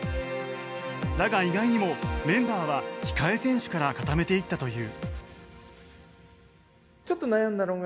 だが意外にもメンバーは控え選手から固めていったという。